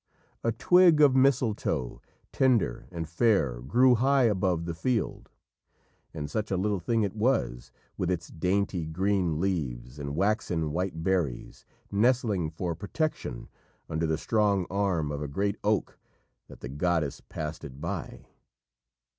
"A twig of mistletoe, tender and fair, grew high above the field," and such a little thing it was, with its dainty green leaves and waxen white berries, nestling for protection under the strong arm of a great oak, that the goddess passed it by.